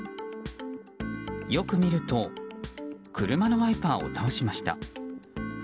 よく見ると車のワイパーを倒しました。